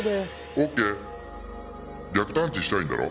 「オッケー逆探知したいんだろ？